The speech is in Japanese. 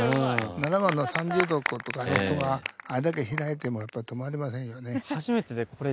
７番の３０度とかのロフトはあれだけ開いてもやっぱ止まりませんよね。